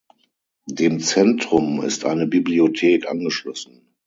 Dem Zentrum ist eine Bibliothek angeschlossen.